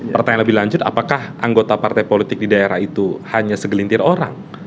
pertanyaan lebih lanjut apakah anggota partai politik di daerah itu hanya segelintir orang